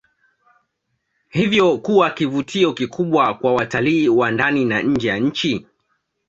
Hivyo kuwa kivutio kikubwa kwa watalii wa ndani na nje ya nchi